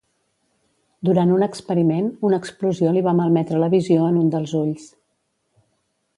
Durant un experiment, una explosió li va malmetre la visió en un dels ulls.